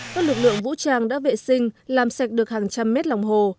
các lực lượng vũ trang đã vệ sinh làm sạch được hàng trăm mét lòng hồ